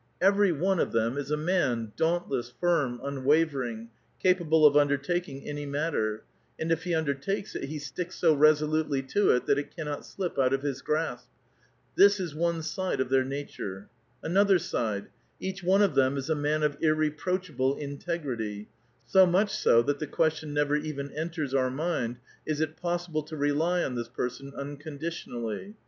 Every one A VITAL QUESTION. 199 of them is a man, dauntless, iirm^ unwavering, capable of undertaking any matter ; and if he undertakes it, he sticks so resolutely to it that it cannot slip out of his grasp. This is one side of their nature. Another side : each one of them is a man of iiTeproachable integrity, so much so that the question never even enters our mind, '* Is it possible to rely on this person unconditionally?"